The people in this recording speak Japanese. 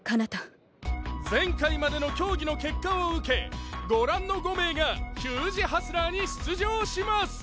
前回までの競技の結果を受けご覧の５名がヒュージハスラーに出場します！